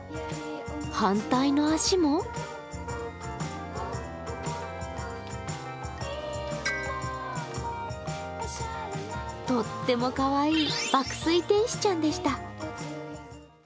反対の足もとってもかわいい爆睡天使ちゃんでした。